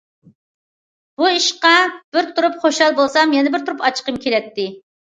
بۇ ئىشقا بىر تۇرۇپ خۇشال بولسام، بىر تۇرۇپ ئاچچىقىم كېلەتتى.